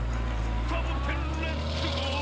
「サボテンレッツゴー！」